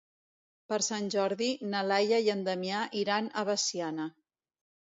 Per Sant Jordi na Laia i en Damià iran a Veciana.